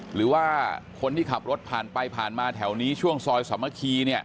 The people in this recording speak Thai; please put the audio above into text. หรือว่าคนที่ขับรถผ่านไปผ่านมาแถวนี้ช่วงซอยสามัคคี